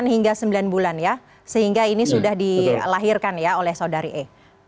delapan hingga sembilan bulan ya sehingga ini sudah dilahirkan ya oleh saudari e